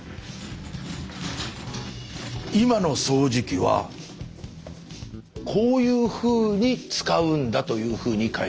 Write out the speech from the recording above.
今の掃除機はこういうふうに使うんだというふうに書いてあります。